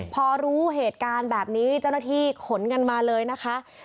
พอรู้เหตุการณ์แบบนี้เจ้าหน้าที่ขนกันมาเลยนะคะ